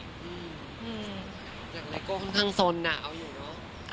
อย่างไนโก้ค่อนข้างสนอ่ะเอาอยู่เนอะ